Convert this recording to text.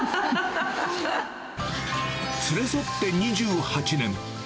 連れ添って２８年。